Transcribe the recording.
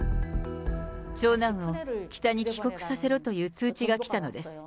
長男を北に帰国させろという通知が来たのです。